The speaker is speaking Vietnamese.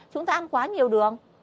chúng ta ăn quá nhiều đường